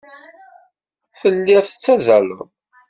Telliḍ tettazzaleḍ.